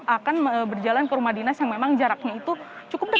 akan berjalan ke rumah dinas yang memang jaraknya itu cukup dekat